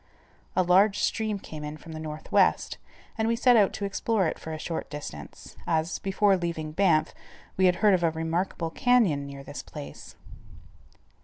A large stream came in from the northwest, and we set out to explore it for a short distance, as, before leaving Banff, we had heard of a remarkable canyon near this place.